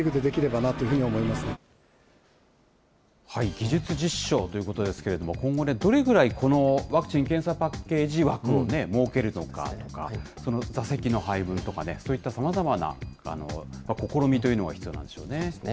技術実証ということですけれども、今後、どれぐらいこのワクチン・検査パッケージ枠を設けるのかとか、その座席の配分とかね、そういったさまざまな試みというのは必要なそうですね。